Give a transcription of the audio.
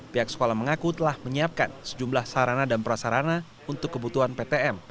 pihak sekolah mengaku telah menyiapkan sejumlah sarana dan prasarana untuk kebutuhan ptm